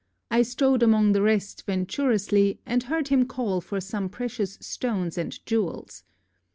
I strode emonge the rest venturously, and heard him call for som precious stones and jewells.